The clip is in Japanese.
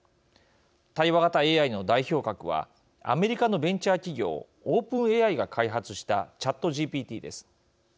対話型ＡＩの代表格はアメリカのベンチャー企業オープンＡＩが開発したＣｈａｔＧＰＴです。